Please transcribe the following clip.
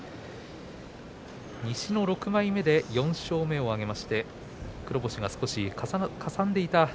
西の６枚目で４勝目を挙げました。